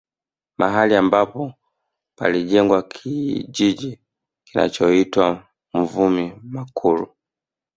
Mahali ambapo palijengwa kijiji kinachoitwa Mvumi Makulu